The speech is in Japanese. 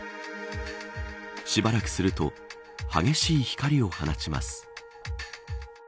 しばらくすると激しい光を放ちます。